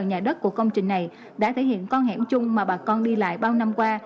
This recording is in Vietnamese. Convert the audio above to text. nhà đất của công trình này đã thể hiện con hẻm chung mà bà con đi lại bao năm qua